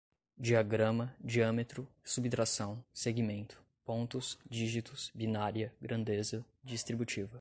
diagrama, diâmetro, subtração, segmento, pontos, dígitos, binária, grandeza, distributiva